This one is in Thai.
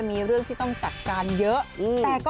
พอแล้วพอแล้ว